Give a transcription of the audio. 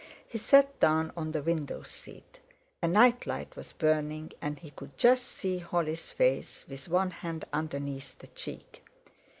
He sat down on the window seat. A night light was burning, and he could just see Holly's face, with one hand underneath the cheek.